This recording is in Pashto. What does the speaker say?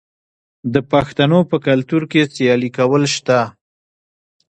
د پښتنو په کلتور کې سیالي کول شته.